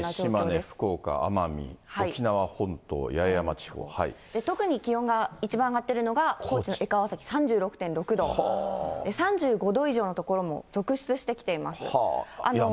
三重、島根、福岡、奄美地方、特に気温が一番上がってるのが、高知の江川崎、３６．６度、３５度以上の所も続出してきています。